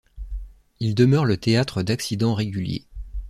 Il demeure le théâtre d'accidents réguliers.